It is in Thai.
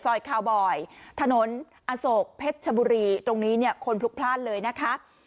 คาวบอยถนนอโศกเพชรชบุรีตรงนี้เนี่ยคนพลุกพลาดเลยนะคะ